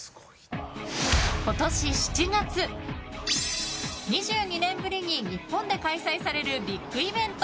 今年７月、２２年ぶりに日本で開催されるビッグイベント